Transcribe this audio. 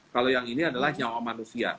kalau yang ini adalah nyawa manusia